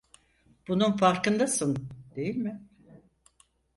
Bunun farkındasın, değil mi?